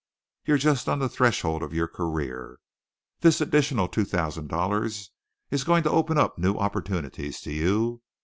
You're just on the threshold of your career. This additional two thousand dollars is going to open up new opportunities to you.